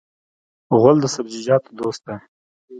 غول د سبزیجاتو دوست دی.